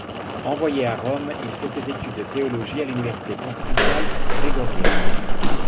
Envoyé à Rome, il fait ses études de théologie à l’université pontificale grégorienne.